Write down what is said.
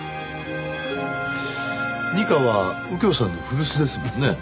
二課は右京さんの古巣ですもんね。